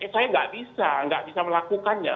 saya tidak bisa melakukannya